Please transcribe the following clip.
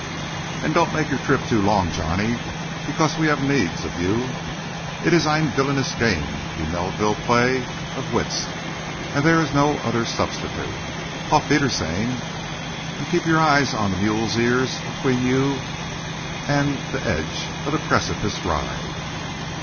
And don't make your trip too long, Johnny, because we haf needs of you. It is ein villainous game dot Melville play of whist, and dere is no oder substitute. Auf wiedersehen, und keep your eyes dot mule's ears between when you on der edge of der brecipices ride."